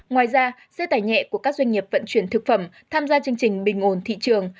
ngoài ra xe tải nhẹ của các doanh nghiệp vận chuyển thực phẩm tham gia chương trình bình ổn thị trường